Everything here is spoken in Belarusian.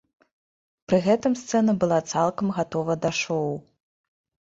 Пры гэтым сцэна была цалкам гатова да шоу.